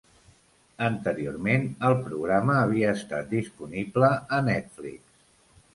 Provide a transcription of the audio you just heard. Anteriorment, el programa havia estat disponible a Netflix.